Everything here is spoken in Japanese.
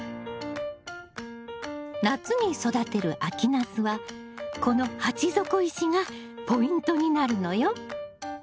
夏に育てる秋ナスはこの鉢底石がポイントになるのよ。